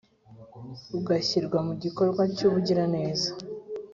ugashyirwa mu gikorwa cy ubugiraneza